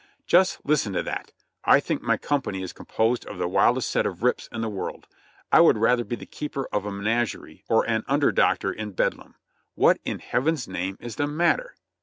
"Just listen to that! I think my company is composed of the wildest set of rips in the world ! I would rather be the keeper of a menagerie or an under doctor in bedlam ! What in Heaven's name is the matter?